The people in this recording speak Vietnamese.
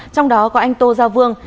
trong đó có anh tô gia vương